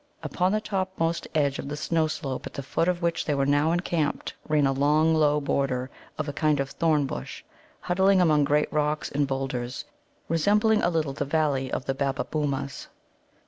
Upon the topmost edge of the snow slope at the foot of which they were now encamped ran a long, low border of a kind of thorn bush, huddling among great rocks and boulders, resembling a little the valleys of the Babbabōōmas.